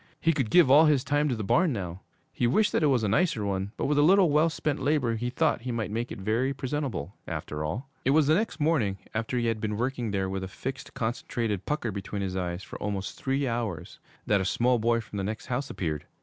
He could give all his time to the barn now. He wished that it was a nicer one, but with a little well spent labor he thought he might make it very presentable, after all. It was the next morning, after he had been working there with a fixed, concentrated pucker between his eyes for almost three hours, that a small boy from the next house appeared.